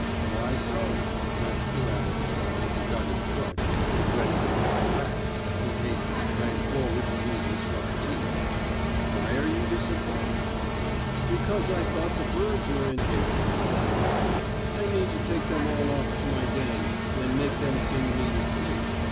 "Why so?" asked the rabbit, as he got his crutch and stood ready to hit the rat in case he sprang forward to use his sharp teeth. "Why are you disappointed?" "Because I thought the birds were in here," said the rat. "I mean to take them all off to my den and make them sing me to sleep.